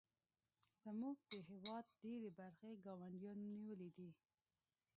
زموږ د هیواد ډیرې برخې ګاونډیانو نیولې دي